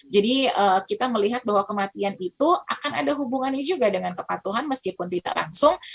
jadi kita melihat bahwa kematian itu akan ada hubungannya juga dengan kepatuhan meskipun tidak langsung